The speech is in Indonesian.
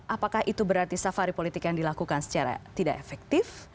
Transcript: apakah itu berarti safari politik yang dilakukan secara tidak efektif